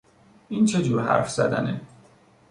این چه جور حرف زدنه!